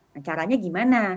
nah caranya gimana